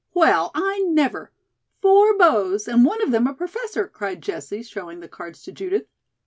"Well, I never! Four beaux, and one of them a professor!" cried Jessie, showing the cards to Judith.